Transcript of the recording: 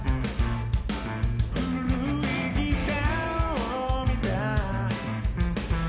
「古いギターを見た」